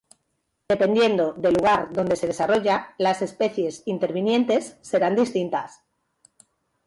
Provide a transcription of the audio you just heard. Dependiendo del lugar donde se desarrolla, las especies intervinientes serán distintas.